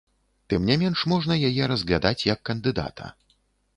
Тым не менш, можна яе разглядаць, як кандыдата.